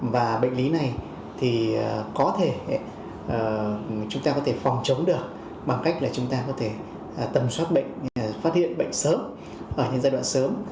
và bệnh lý này thì có thể chúng ta có thể phòng chống được bằng cách là chúng ta có thể tầm soát bệnh phát hiện bệnh sớm